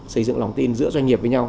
xây dựng lòng tin giữa doanh nghiệp với nhau